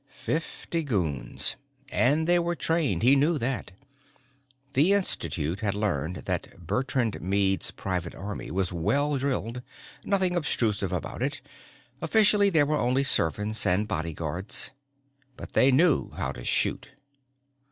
Fifty goons. And they were trained, he knew that. The Institute had learned that Bertrand Meade's private army was well drilled. Nothing obtrusive about it officially they were only servants and bodyguards but they knew how to shoot.